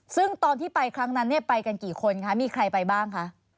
ซึ่งตอนที่ไปครั้งนั้นเนี่ยไปกันกี่คนคะมีใครไปบ้างคะ